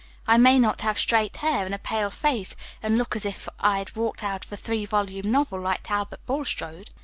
I may n't have straight hair, and a pale face, and look as if I'd walked out of a three volume novel, like Talbot Bulstrode.